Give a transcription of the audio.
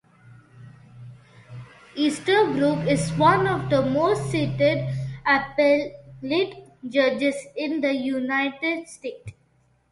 Easterbrook is one of the most cited appellate judges in the United States.